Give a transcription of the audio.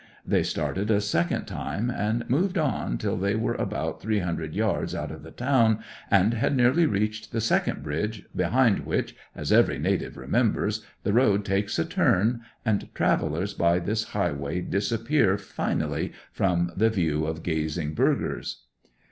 They started a second time, and moved on till they were about three hundred yards out of the town, and had nearly reached the second bridge, behind which, as every native remembers, the road takes a turn and travellers by this highway disappear finally from the view of gazing burghers.